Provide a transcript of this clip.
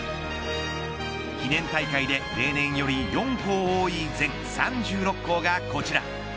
記念大会で例年より４校多い全３６校がこちら。